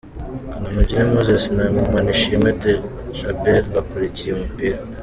Kanamugire Moses na Manishimwe Djabel bakurikiye umupira.